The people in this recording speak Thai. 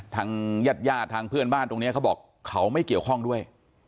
ทางญาติญาติทางเพื่อนบ้านตรงนี้เขาบอกเขาไม่เกี่ยวข้องด้วย